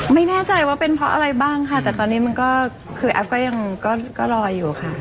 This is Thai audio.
ไม่แน่ใจว่าเป็นเพราะอะไรบ้างค่ะแต่ตอนนี้มันก็คือแอฟก็ยังก็รออยู่ค่ะ